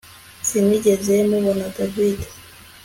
Sinigeze mubona David